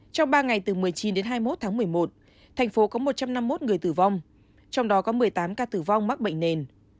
trong ba ngày từ một mươi chín đến hai mươi một tháng một mươi một thành phố có một trăm năm mươi một người tử vong trong đó có một mươi tám ca tử vong mắc bệnh nền